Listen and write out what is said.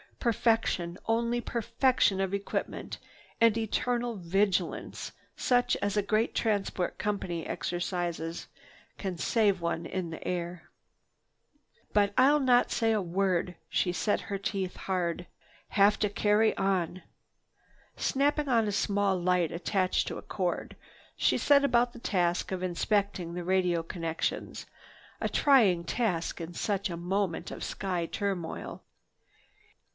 "Perfection, only perfection of equipment and eternal vigilance such as a great transport company exercises can save one in the air. "But I'll not say a word!" She set her teeth hard. "Have to carry on." Snapping on a small light attached to a cord, she set about the task of inspecting the radio connections, a trying task in such a moment of sky turmoil.